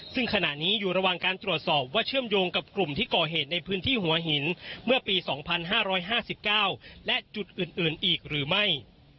ซึ่งขณะนี้อยู่ระหว่างการตรวจสอบว่าเชื่อมโยงกับกลุ่มที่ก่อเหตุในพื้นที่หัวหินเมื่อปี๒๕๕๙และจุดอื่นอีกหรือไม่